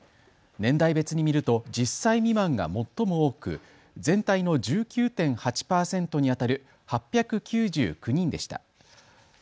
年代別に見ると１０歳未満が最も多く全体の１９．８％にあたる８９９人でした。